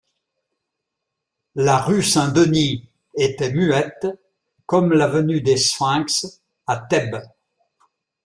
La rue Saint-Denis était muette comme l’avenue des Sphinx à Thèbes.